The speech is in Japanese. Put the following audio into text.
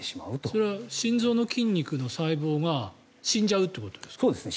それは心臓の筋肉の細胞が死んじゃうということですか？